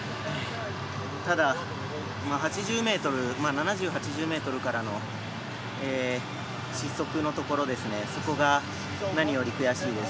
ただ、７０８０ｍの失速のところそこが何より悔しいです。